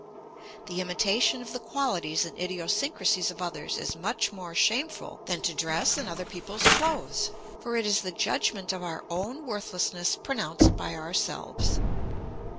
The imitation of the qualities and idiosyncrasies of others is much more shameful than to dress in other people's clothes; for it is the judgment of our own worthlessness pronounced by ourselves.